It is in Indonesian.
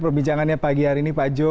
perbincangannya pagi hari ini pak jo